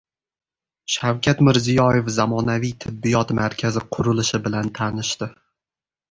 Shavkat Mirziyoyev zamonaviy tibbiyot markazi qurilishi bilan tanishdi